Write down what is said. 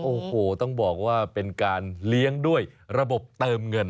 โอ้โหต้องบอกว่าเป็นการเลี้ยงด้วยระบบเติมเงิน